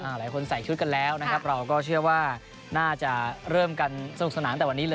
หลายคนใส่ชุดกันแล้วนะครับเราก็เชื่อว่าน่าจะเริ่มกันสนุกสนานแต่วันนี้เลย